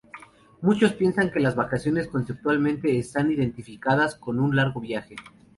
Muchos piensan que las vacaciones, conceptualmente, están identificadas con un largo viaje.